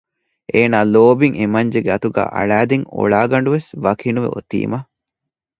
އޭނާ ލޯބިން އެމަންޖެގެ އަތުގައި އަޅައިދިން އޮޅާގަނޑުވެސް ވަކިނުވެ އޮތީމަ